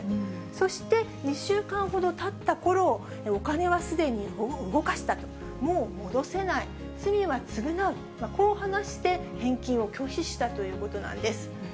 そして、２週間ほどたったころ、お金はすでに動かしたと、もう戻せない、罪は償う、こう話して、返金を拒否したということなんです。